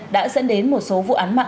đã dẫn đến một số vụ án mạng